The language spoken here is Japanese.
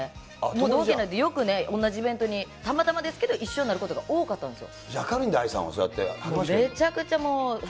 同期なんで、よくね、同じイベントに、たまたまですけど、一緒になることが多かったんですよ。